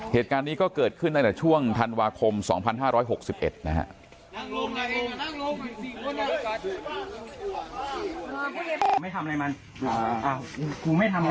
เหตุการณ์นี้ก็เกิดขึ้นตั้งแต่ช่วงธันวาคม๒๕๖๑นะฮะ